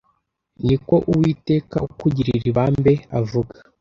Ni ko Uwiteka ukugirira ibambe avuga